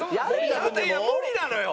いや無理なのよ！